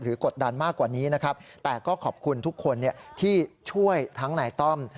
กดดันมากกว่านี้นะครับแต่ก็ขอบคุณทุกคนที่ช่วยทั้งนายต้อม